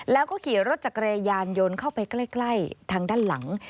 แล้วก็ขี่รถจักรยานยนต์เข้าไปใกล้ทางด้านหลัง